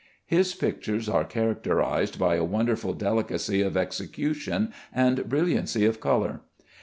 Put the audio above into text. His pictures are characterized by a wonderful delicacy of execution and brilliancy of color.